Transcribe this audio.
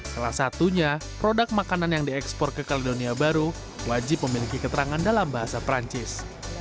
salah satunya produk makanan yang diekspor ke kaledonia baru wajib memiliki keterangan dalam bahasa perancis